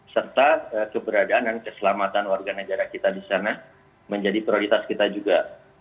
serta keberadaan dan keselamatan warga negara kita di sana menjadi prioritas kita juga